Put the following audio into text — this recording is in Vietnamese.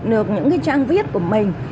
được những trang viết của mình